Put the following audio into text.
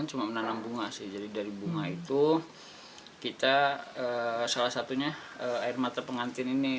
cuma menanam bunga sih jadi dari bunga itu kita salah satunya air mata pengantin ini